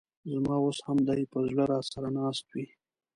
ز ما اوس هم دي په زړه راسره ناست وې